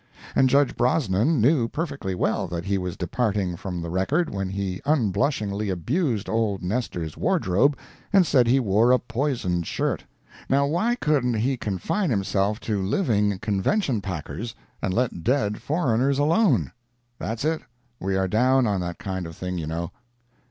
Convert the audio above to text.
And Judge Brosnan knew perfectly well that he was departing from the record when he unblushingly abused old Nestor's wardrobe and said he wore a poisoned shirt. Now why couldn't he confine himself to living convention packers and let dead foreigners alone? That's it—we are down on that kind of thing, you know.